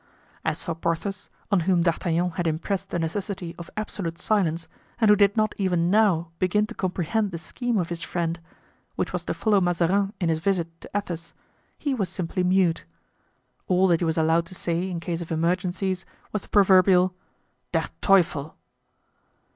As for Porthos, on whom D'Artagnan had impressed the necessity of absolute silence and who did not even now begin to comprehend the scheme of his friend, which was to follow Mazarin in his visit to Athos, he was simply mute. All that he was allowed to say, in case of emergencies, was the proverbial Der Teufel!